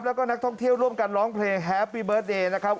แล้วก็นักท่องเที่ยวร่วมกันร้องเพลงแฮปปี้เบิร์ตเดย์นะครับ